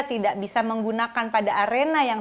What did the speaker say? tidak bisa menggunakan pada arena yang